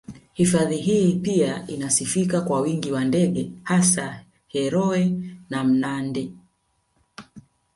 Hifadhi hii pia inasifika kwa wingi wa ndege hasa heroe na mnandi